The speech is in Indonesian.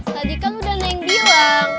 tadi kamu udah neng bilang